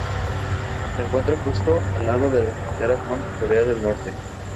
Se encuentra justo al lado de la frontera con Corea del Norte.